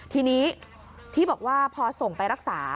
ทีนี้ที่บอกว่าพอส่งไปรักษา